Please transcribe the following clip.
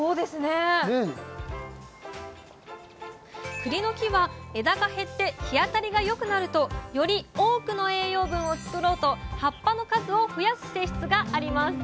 くりの木は枝が減って日当たりがよくなるとより多くの栄養分を作ろうと葉っぱの数を増やす性質があります。